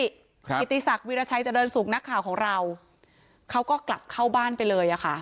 กิติศักดิราชัยเจริญสุขนักข่าวของเราเขาก็กลับเข้าบ้านไปเลยอ่ะค่ะ